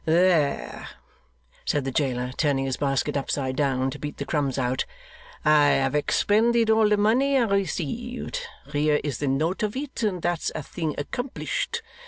'There!' said the jailer, turning his basket upside down to beat the crumbs out, 'I have expended all the money I received; here is the note of it, and that's a thing accomplished.